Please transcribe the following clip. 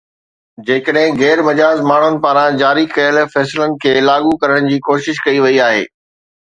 جيڪڏهن غير مجاز ماڻهن پاران جاري ڪيل فيصلن کي لاڳو ڪرڻ جي ڪوشش ڪئي وئي آهي